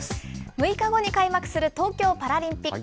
６日後に開幕する、東京パラリンピック。